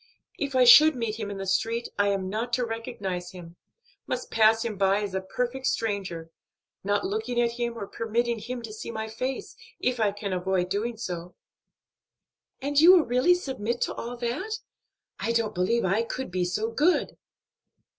If I should meet him in the street I am not to recognize him; must pass him by as a perfect stranger, not looking at him or permitting him to see my face, if I can avoid doing so." "And will you really submit to all that? I don't believe I could be so good."